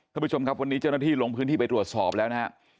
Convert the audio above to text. ท่านผู้ชมครับวันนี้เจ้าหน้าที่ลงพื้นที่ไปตรวจสอบแล้วนะฮะ